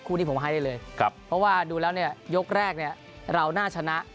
คู่นี้ที่ผมให้ได้เลยเพราะดูแล้วยกแรกเราน่าชนะ